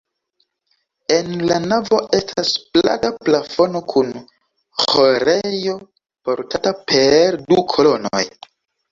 En la navo estas plata plafono kun ĥorejo portata per du kolonoj.